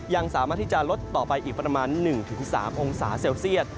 ยังสามารถที่จะลดต่อไปอีกประมาณ๑๓องศาเซลเซียต